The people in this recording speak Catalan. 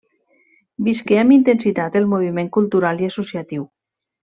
Visqué amb intensitat el moviment cultural i associatiu.